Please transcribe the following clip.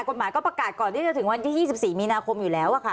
กฎหมายก็ประกาศก่อนที่จะถึงวันที่๒๔มีนาคมอยู่แล้วค่ะ